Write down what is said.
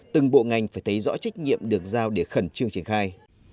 từng bộ ngành phải thấy rõ trách nhiệm được giao để khẩn trương triển khai